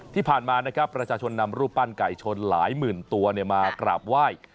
ที่ผ่านมานะครับประชาชนนำรูปปั้นไก่ชนหลายหมื่นตัวมากราบไหว้